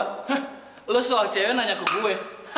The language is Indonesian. hah lo soal cewe nanya ke gue